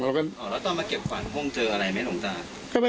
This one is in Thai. เราก็อ๋อแล้วต้องมาเก็บกวาดห้องเจออะไรไหมสงสัย